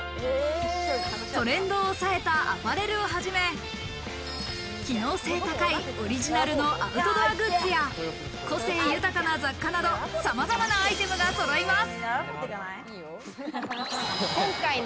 トレンド押さえたアパレルをはじめ、機能性高いオリジナルのアウトドアグッズや、個性豊かな雑貨など、さまざまなアイテムが揃います。